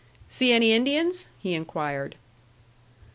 "See any Indians?" he enquired.